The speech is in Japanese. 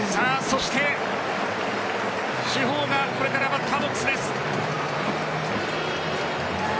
そして主砲がこれからバッターボックスです。